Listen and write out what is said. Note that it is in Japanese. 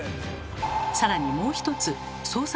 更にもう一つ操作